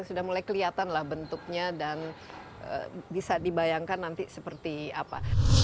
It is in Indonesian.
sudah mulai kelihatan lah bentuknya dan bisa dibayangkan nanti seperti apa